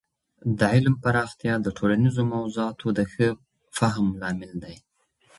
د علم پراختیا د ټولنیزو موضوعاتو د ښه فهم لامل دی.